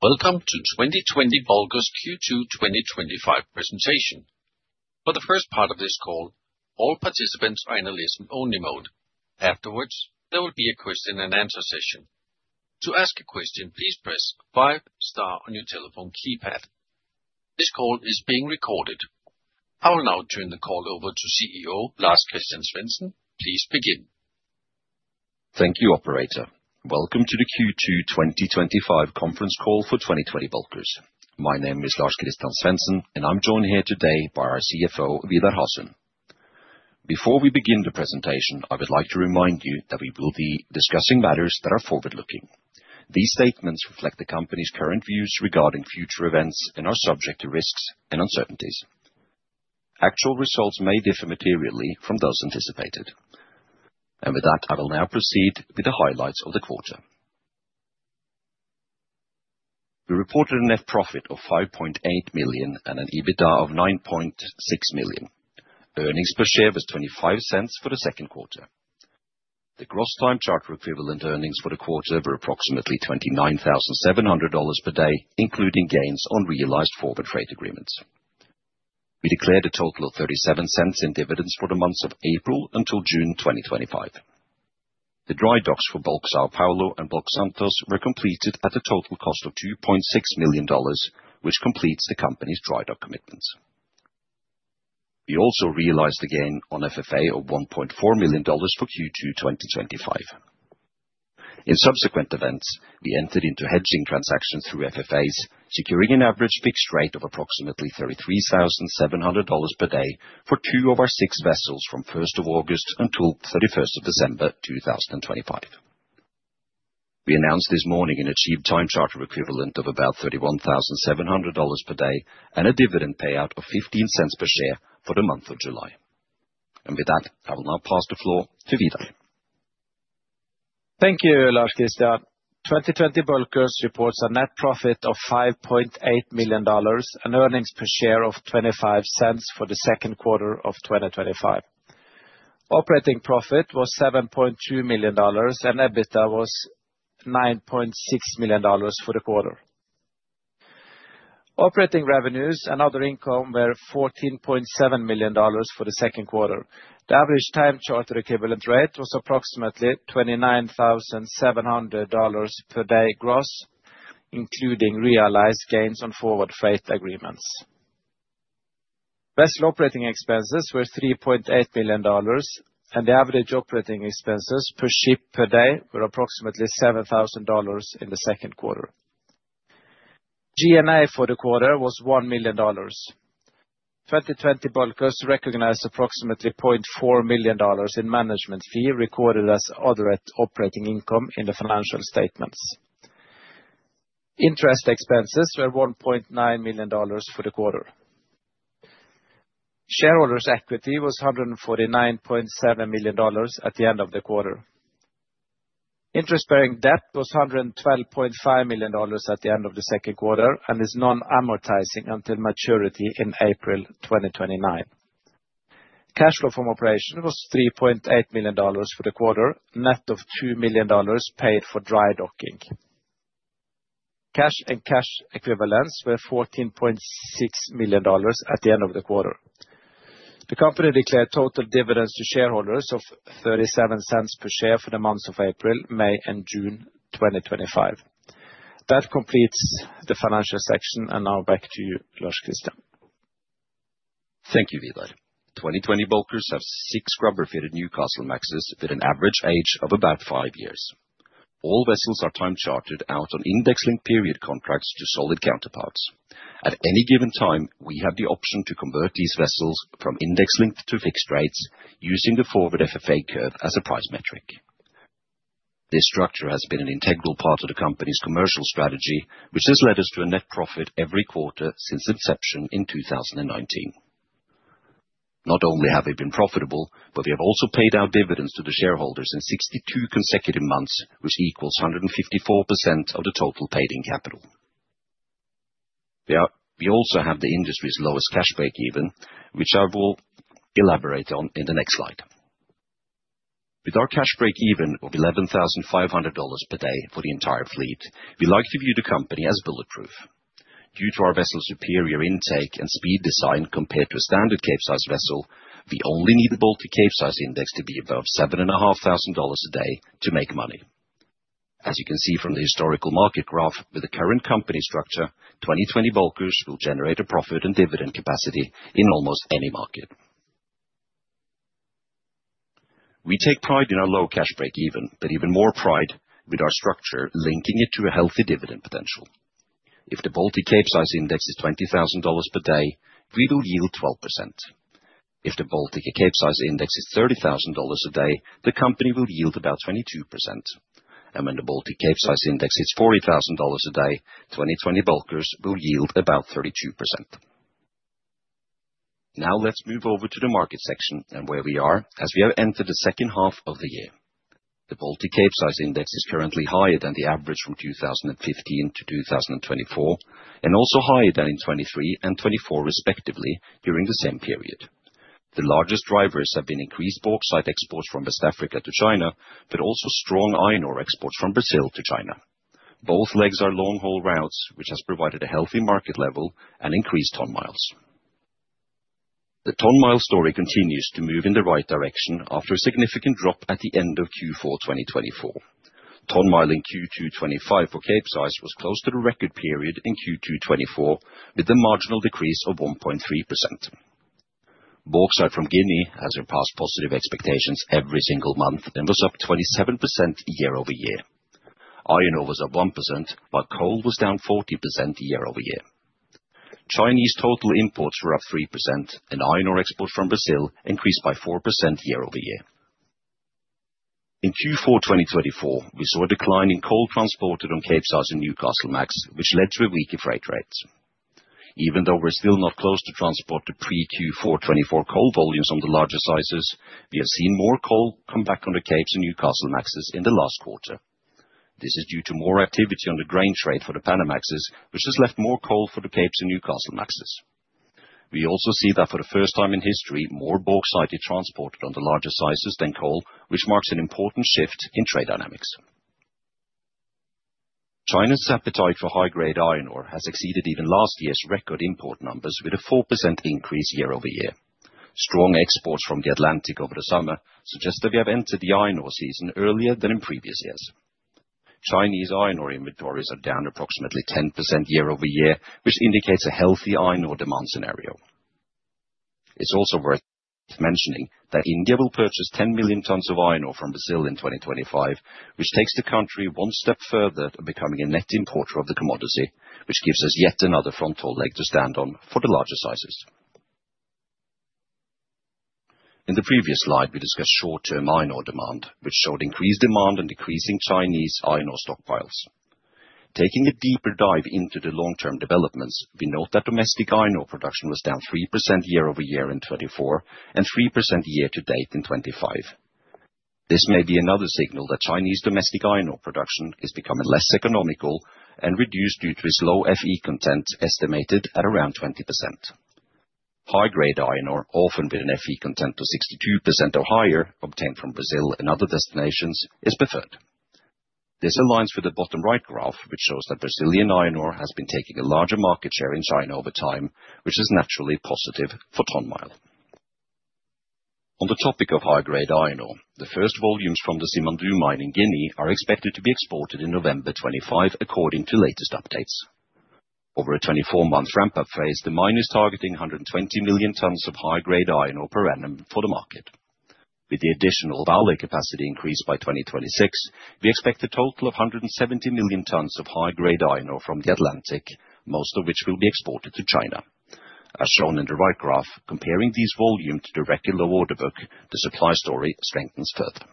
Welcome to the 2020 Bulkers Ltd. Q2 2025 Presentation. For the first part of this call, all participants are in a listen-only mode. Afterwards, there will be a question and answer session. To ask a question, please press five star on your telephone keypad. This call is being recorded. I will now turn the call over to CEO Lars-Christian Svensen. Please begin. Thank you, operator. Welcome to the Q2 2025 Conference Call for 2020 Bulkers Ltd. My name is Lars-Christian Svensen, and I'm joined here today by our CFO, Vidar Hasund. Before we begin the presentation, I would like to remind you that we will be discussing matters that are forward-looking. These statements reflect the company's current views regarding future events and are subject to risks and uncertainties. Actual results may differ materially from those anticipated. With that, I will now proceed with the highlights of the quarter. We reported a net profit of $5.8 million and an EBITDA of $9.6 million. Earnings per share was $0.25 for the second quarter. The gross time charter equivalent earnings for the quarter were approximately $29,700 per day, including gains on realized forward freight agreements. We declared a total of $0.37 in dividends for the months of April until June 2025. The dry docks for BULK SAO PAULO and BULK SANTOS were completed at a total cost of $2.6 million, which completes the company's dry docking commitments. We also realized the gain on FFA of $1.4 million for Q2 2025. In subsequent events, we entered into hedging transactions through FFAs, securing an average fixed rate of approximately $33,700 per day for two of our six vessels from 1st of August until 31st of December, 2025. We announced this morning an achieved time charter equivalent of about $31,700 per day and a dividend payout of $0.15 per share for the month of July. With that, I will now pass the floor to Vidar. Thank you, Lars-Christian. 2020 Bulkers Ltd. reports a net profit of $5.8 million and earnings per share of $0.25 for the second quarter of 2025. Operating profit was $7.2 million and EBITDA was $9.6 million for the quarter. Operating revenues and other income were $14.7 million for the second quarter. The average time charter equivalent rate was approximately $29,700 per day gross, including realized gains on forward freight agreements. Vessel operating expenses were $3.8 million, and the average operating expenses per ship per day were approximately $7,000 in the second quarter. G&A for the quarter was $1 million. 2020 Bulkers Ltd. recognized approximately $0.4 million in management fee recorded as other operating income in the financial statements. Interest expenses were $1.9 million for the quarter. Shareholders' equity was $149.7 million at the end of the quarter. Interest-bearing debt was $112.5 million at the end of the second quarter and is non-amortizing until maturity in April 2029. Cash flow from operation was $3.8 million for the quarter, net of $2 million paid for dry docking. Cash and cash equivalents were $14.6 million at the end of the quarter. The company declared total dividends to shareholders of $0.37 per share for the months of April, May, and June 2025. That completes the financial section, and now back to you, Lars-Christian. Thank you, Vidar. 2020 Bulkers Ltd. has six scrubber-fitted Newcastlemaxes with an average age of about five years. All vessels are time-chartered out on index-linked period contracts to solid counterparts. At any given time, we have the option to convert these vessels from index-linked to fixed rates using the forward FFA curve as a price metric. This structure has been an integral part of the company's commercial strategy, which has led us to a net profit every quarter since inception in 2019. Not only have we been profitable, but we have also paid out dividends to the shareholders in 62 consecutive months, which equals 154% of the total paid-in capital. We also have the industry's lowest cash break-even, which I will elaborate on in the next slide. With our cash break-even of $11,500 per day for the entire fleet, we like to view the company as bulletproof. Due to our vessels' superior intake and speed design compared to a standard cape-size vessel, we only need a cape-size index to be above $7,500 a day to make money. As you can see from the historical market graph with the current company structure, 2020 Bulkers Ltd. will generate a profit and dividend capacity in almost any market. We take pride in our low cash break-even, but even more pride with our structure linking it to a healthy dividend potential. If the cape-size index is $20,000 per day, we will yield 12%. If the cape-size index is $30,000 a day, the company will yield about 22%. When the cape-size index is $40,000 a day, 2020 Bulkers Ltd. will yield about 32%. Now let's move over to the market section and where we are as we have entered the second half of the year. The cape-size index is currently higher than the average from 2015 to 2024 and also higher than in 2023 and 2024, respectively, during the same period. The largest drivers have been increased bauxite exports from West Africa to China, but also strong iron ore exports from Brazil to China. Both legs are long-haul routes, which has provided a healthy market level and increased ton-miles. The ton-mile story continues to move in the right direction after a significant drop at the end of Q4 2024. Ton-mile in Q2 2025 for cape-size was close to the record period in Q2 2024 with a marginal decrease of 1.3%. Bauxite from Guinea has surpassed positive expectations every single month and was up 27% year-over-year. Iron ore was up 1%, but coal was down 40% year-over-year. Chinese total imports were up 3%, and iron ore exports from Brazil increased by 4% year-over-year. In Q4 2024, we saw a decline in coal transported on cape-size and Newcastlemax, which led to weaker freight rates. Even though we're still not close to transport the pre-Q4 2024 coal volumes on the larger sizes, we have seen more coal come back on the capes and Newcastlemaxes in the last quarter. This is due to more activity on the grain trade for the Panamaxes, which has left more coal for the capes and Newcastlemaxes. We also see that for the first time in history, more bauxite is transported on the larger sizes than coal, which marks an important shift in trade dynamics. China's appetite for high-grade iron ore has exceeded even last year's record import numbers with a 4% increase year-over-year. Strong exports from the Atlantic over the summer suggest that we have entered the iron ore season earlier than in previous years. Chinese iron ore inventories are down approximately 10% year-over-year, which indicates a healthy iron ore demand scenario. It's also worth mentioning that India will purchase 10 million tons of iron ore from Brazil in 2025, which takes the country one step further to becoming a net importer of the commodity, which gives us yet another frontal leg to stand on for the larger sizes. In the previous slide, we discussed short-term iron ore demand, which showed increased demand and decreasing Chinese iron ore stockpiles. Taking a deeper dive into the long-term developments, we note that domestic iron ore production was down 3% year-over-year in 2024 and 3% year-to-date in 2025. This may be another signal that Chinese domestic iron ore production is becoming less economical and reduced due to its low Fe content estimated at around 20%. High-grade iron ore, often with an Fe content of 62% or higher, obtained from Brazil and other destinations, is preferred. This aligns with the bottom right graph, which shows that Brazilian iron ore has been taking a larger market share in China over time, which is naturally positive for ton miles. On the topic of high-grade iron ore, the first volumes from the Simandou mine in Guinea are expected to be exported in November 2025, according to latest updates. Over a 24-month ramp-up phase, the mine is targeting 120 million tons of high-grade iron ore per annum for the market. With the additional Vale capacity increased by 2026, we expect a total of 170 million tons of high-grade iron ore from the Atlantic, most of which will be exported to China. As shown in the right graph, comparing these volumes to the record low order book, the supply story strengthens further.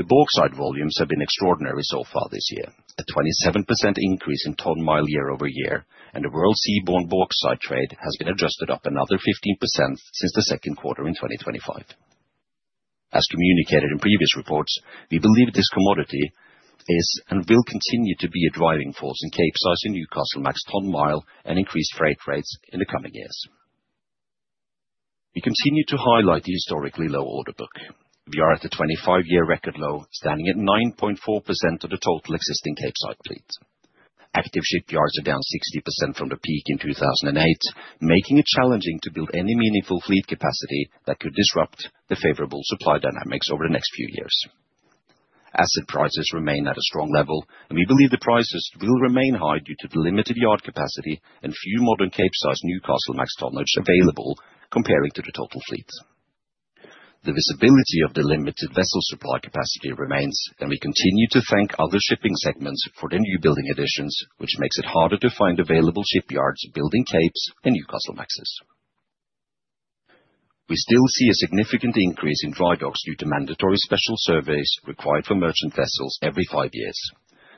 The bauxite volumes have been extraordinary so far this year, a 27% increase in ton miles year-over-year, and the world seaborne bauxite trade has been adjusted up another 15% since the second quarter in 2025. As communicated in previous reports, we believe this commodity is and will continue to be a driving force in cape-size and Newcastlemax ton-mile and increased freight rates in the coming years. We continue to highlight the historically low order book. We are at the 25-year record low, standing at 9.4% of the total existing cape-size fleet. Active shipyards are down 60% from the peak in 2008, making it challenging to build any meaningful fleet capacity that could disrupt the favorable supply dynamics over the next few years. Asset prices remain at a strong level, and we believe the prices will remain high due to the limited yard capacity and few modern cape-size Newcastlemax tonnage available compared to the total fleet. The visibility of the limited vessel supply capacity remains, and we continue to thank other shipping segments for their new building additions, which makes it harder to find available shipyards building capes and Newcastlemaxes. We still see a significant increase in dry docking due to mandatory special surveys required for merchant vessels every five years.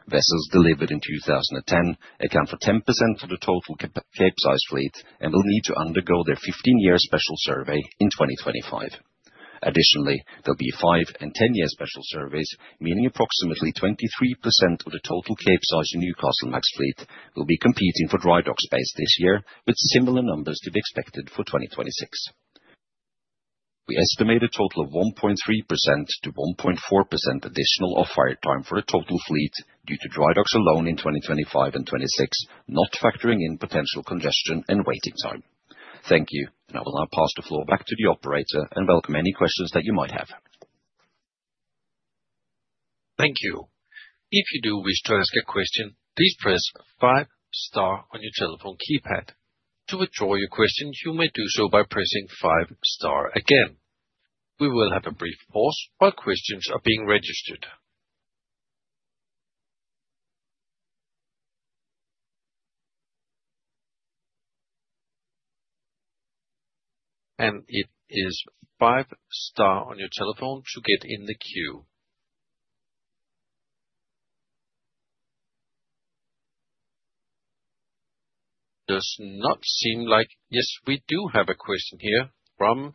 Vessels delivered in 2010 account for 10% of the total cape-size fleet and will need to undergo their 15-year special survey in 2025. Additionally, there will be 5 and 10-year special surveys, meaning approximately 23% of the total cape-size and Newcastlemax fleet will be competing for dry docks base this year, with similar numbers to be expected for 2026. We estimate a total of 1.3%-1.4% additional off-hire time for the total fleet due to dry docks alone in 2025 and 2026, not factoring in potential congestion and waiting time. Thank you, and I will now pass the floor back to the operator and welcome any questions that you might have. Thank you. If you do wish to ask a question, please press five star on your telephone keypad. To withdraw your question, you may do so by pressing five star again. We will have a brief pause while questions are being registered. It is five star on your telephone to get in the queue. It does not seem like. Yes, we do have a question here from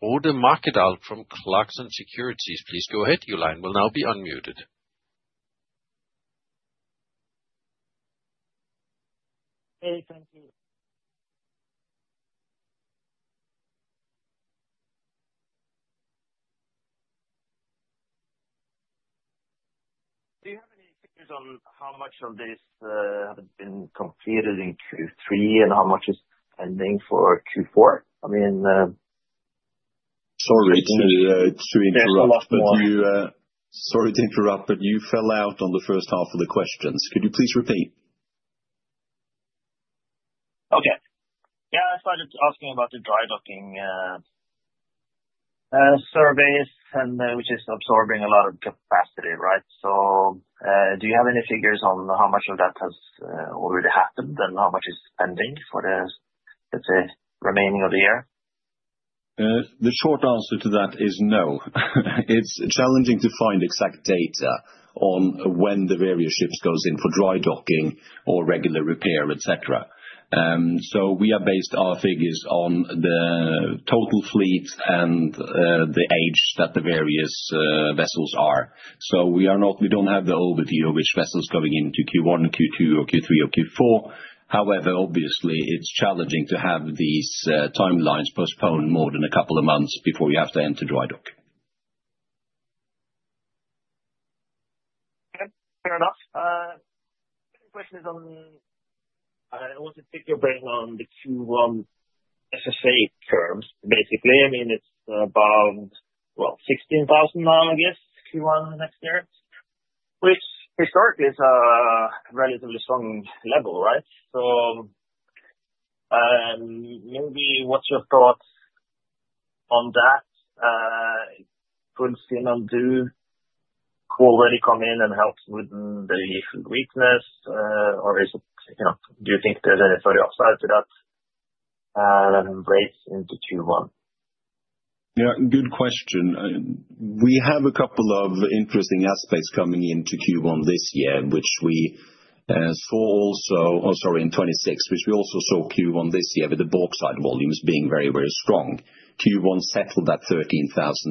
the Frode Morkedal from Clarkson Securities. Please go ahead, your line will now be unmuted. Thank you. Do you have any figures on how much of this has been completed in Q3 and how much is pending for Q4? I mean. Sorry to interrupt, but you fell out on the first half of the questions. Could you please repeat? Okay. I started asking about the dry docking surveys, which is absorbing a lot of capacity, right? Do you have any figures on how much of that has already happened and how much is pending for the, let's say, remaining of the year? The short answer to that is no. It's challenging to find exact data on when the various ships go in for dry docking or regular repair, etc. We have based our figures on the total fleet and the age that the various vessels are. We don't have the overview of which vessels are going into Q1, Q2, Q3, or Q4. However, it's challenging to have these timelines postponed more than a couple of months before you have to enter dry dock. Okay. Fair enough. The question is on, I want to pick your brain on the Q1 SSA terms, basically. I mean, it's about, well, 16,000 mi, I guess, Q1 next year, which historically is a relatively strong level, right? Maybe what's your thought on that? Could CNMD already come in and help with the weakness, or do you think there's any further upside to that break into Q1? Yeah, good question. We have a couple of interesting assets coming into Q1 this year, which we saw also in 2026, which we also saw Q1 this year with the bauxite volumes being very, very strong. Q1 settled at $13,000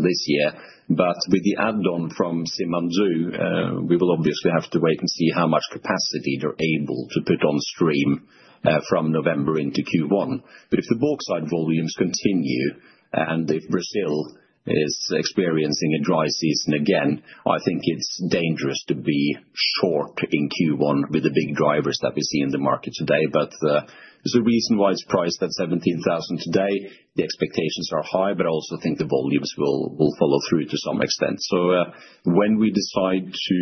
this year. With the add-on from Simandou, we will obviously have to wait and see how much capacity they're able to put on stream from November into Q1. If the bauxite volumes continue and if Brazil is experiencing a dry season again, I think it's dangerous to be short in Q1 with the big drivers that we see in the market today. There's a reason why it's priced at $17,000 today. The expectations are high, but I also think the volumes will follow through to some extent. When we decide to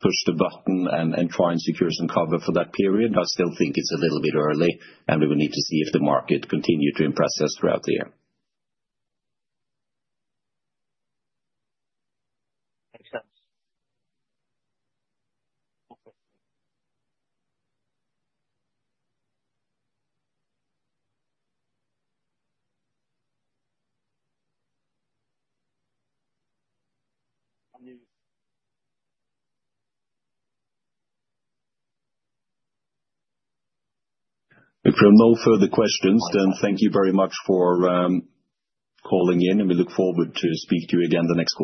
push the button and find security and cover for that period, I still think it's a little bit early, and we will need to see if the market continues to impress us throughout the year. Makes sense. If there are no further questions, thank you very much for calling in, and we look forward to speaking to you again in the next quarter.